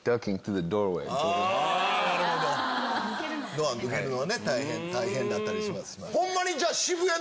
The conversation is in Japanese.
ドア抜けるのが大変だったりします。